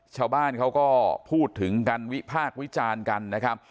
ชาวบ้านเขาก็พูดถึงกันวิพากษ์วิจารณ์กันนะครับ